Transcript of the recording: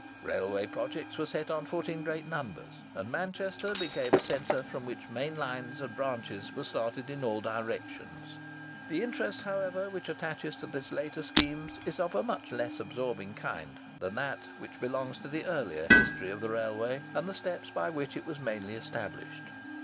Railway projects were set on foot in great numbers, and Manchester became a centre from which main lines and branches were started in all directions. The interest, however, which attaches to these later schemes is of a much less absorbing kind than that which belongs to the earlier history of the railway and the steps by which it was mainly established.